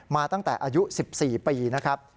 มาตั้งแต่อายุ๑๔ปีนะครับ